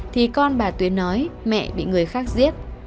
thì con bà tuyến nói mẹ bị người khác giết